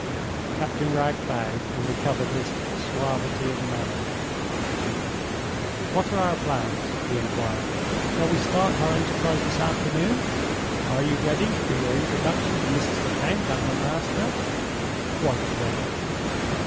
Captain Wragge bowed, and recovered his suavity of manner. "What are our plans?" he inquired. "Shall we start our enterprise this afternoon? Are you ready for your introduction to Mrs. Lecount and her master?" "Quite ready."